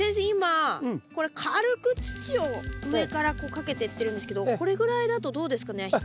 今これ軽く土を上からこうかけてってるんですけどこれぐらいだとどうですかね？